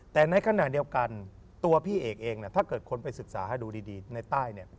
แต่ในขณะเดียวกันตัวพี่เอกเองถ้าเกิดคนไปศึกษาให้ดูดีในใต้เนี่ย